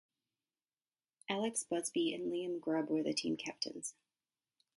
Alex Buzbee and Liam Grubb were the team captains.